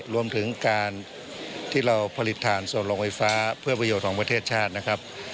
รวมถึงการที่เราผลิตฐานส่วนโรงไฟฟ้าเพื่อประโยชน์ของประเทศชาตินะครับ